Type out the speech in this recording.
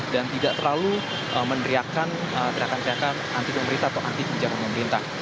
dan tidak terlalu meneriakan anti pemerintah atau anti kejahatan pemerintah